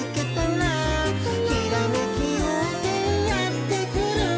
「ひらめきようせいやってくる」